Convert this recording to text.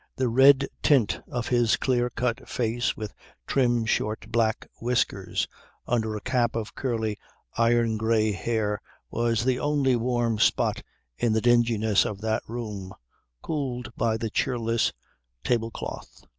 The red tint of his clear cut face with trim short black whiskers under a cap of curly iron grey hair was the only warm spot in the dinginess of that room cooled by the cheerless tablecloth.